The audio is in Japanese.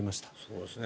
そうですね。